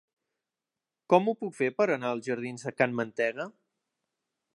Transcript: Com ho puc fer per anar als jardins de Can Mantega?